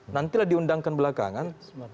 nantilah diundangkan belakangan